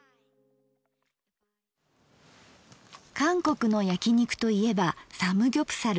韓国のやき肉といえばサムギョプサル。